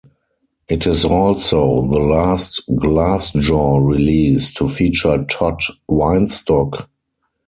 It is also the last Glassjaw release to feature Todd Weinstock.